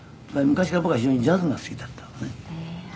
「昔から僕は非常にジャズが好きだったんでね」